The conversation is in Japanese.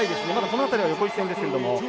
この辺りは横一線ですけれども。